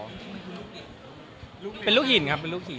เป็นลูกหินครับเป็นลูกหินครับเป็นลูกหินใช่